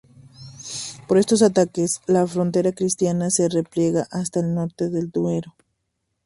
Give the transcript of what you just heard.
Por estos ataques, la frontera cristiana se repliega hasta el norte del Duero.